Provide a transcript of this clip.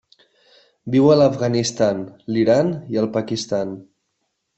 Viu a l'Afganistan, l'Iran i el Pakistan.